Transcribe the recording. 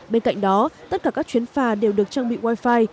bên cạnh đó tất cả các chuyến pha đều được trang bị wi fi